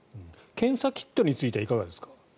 検査キットについてはいかがですか。